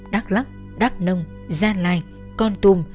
đắk lắk đắk nông gia lai con tùm